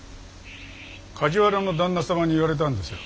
梶原の旦那様に言われたんですよ。